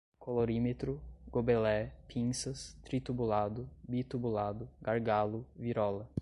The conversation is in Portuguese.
colorímetro, gobelé, pinças, tritubulado, bitubulado, gargalo, virola